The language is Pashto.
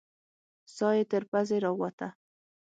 ساه يې تر پزې راووته.